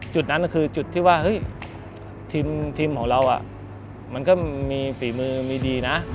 จุดนั้นคือจุดที่ว่าเฮ้ยทีมของเรามันก็มีฝีมือมีดีนะ